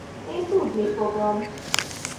Én tudni fogom.